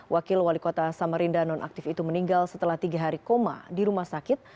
wakil wali kota samarinda non aktif itu meninggal setelah tiga hari koma di rumah sakit